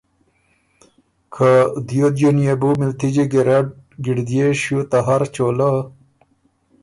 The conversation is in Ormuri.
که دیو دیو ن يې بو مِلتِجی ګیرډ ګِړدئے شیو ته هر چولۀ